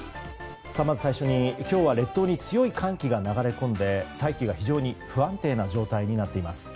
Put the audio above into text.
まず最初に今日は列島に強い寒気が流れ込んで大気が非常に不安定な状態になっています。